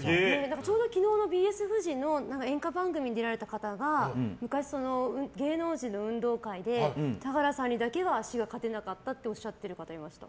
ちょうど昨日のＢＳフジの演歌番組に出られた方が、昔芸能人の運動会で田原さんにだけは勝てなかったっておっしゃってる方いました。